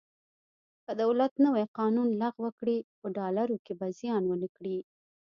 که دولت نوی قانون لغوه کړي په ډالرو کې به زیان ونه کړي.